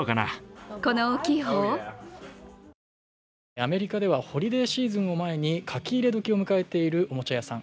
アメリカではホリデーシーズンを前に書き入れ時を迎えているおもちゃ屋さん。